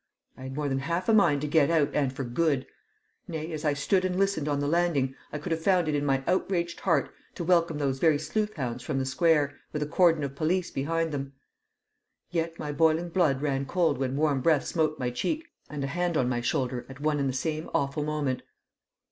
I had more than half a mind to get out, and for good; nay, as I stood and listened on the landing, I could have found it in my outraged heart to welcome those very sleuthhounds from the square, with a cordon of police behind them. Yet my boiling blood ran cold when warm breath smote my cheek and a hand my shoulder at one and the same awful moment.